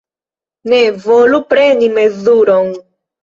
Nu, volu preni mezuron.